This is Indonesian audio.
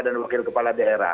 dan wakil kepala daerah